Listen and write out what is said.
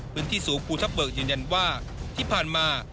พื้นที่สูงภูทับเบิกยืนยันว่าที่ผ่านมา